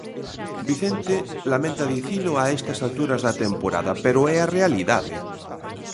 Vicente lamenta dicilo a estas alturas da temporada, pero é a realidade.